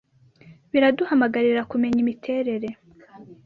biraduhamagarira kumenya imiterere